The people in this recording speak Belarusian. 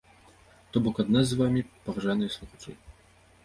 То бок ад нас з вамі, паважаныя слухачы!